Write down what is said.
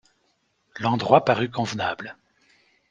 L’endroit parut convenable.